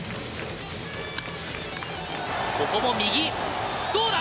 ここも右どうだ？